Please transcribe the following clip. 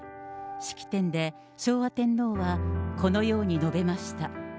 式典で、昭和天皇はこのように述べました。